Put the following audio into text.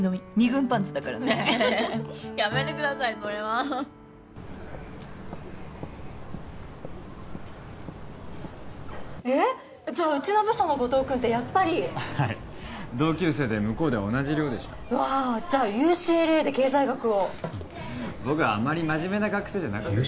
２軍パンツだからねやめてくださいそういうのえっじゃあうちの部署の後藤君ってやっぱりはい同級生で向こうでは同じ寮でしたうわじゃあＵＣＬＡで経済学を僕はあまりマジメな学生じゃなかったＵＣ